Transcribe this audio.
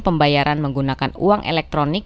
pembayaran menggunakan uang elektronik